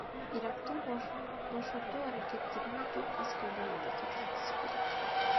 Иракты бошотуу аракеттерине түрк аскерлери да катышкысы келет.